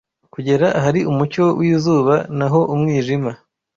kugera ahari umucyo w’izuba naho umwijima